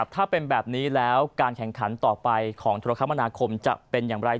ถ้าเป็นแบบนี้แล้วการแข่งขันต่อไปของธุรกรรมนาคมจะเป็นอย่างไร